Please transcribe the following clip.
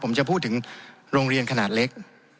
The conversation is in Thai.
ผมจะพูดถึงโรงเรียนขนาดเล็ก